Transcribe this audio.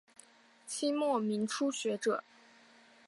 清末民初学者。